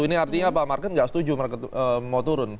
ini artinya apa market nggak setuju market mau turun